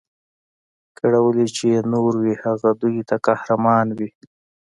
کړولي چي یې نور وي هغه دوی ته قهرمان وي